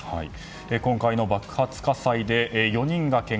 今回の爆発火災で４人がけが。